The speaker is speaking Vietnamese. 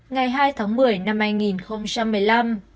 ngày hai tháng một mươi năm hai nghìn một mươi năm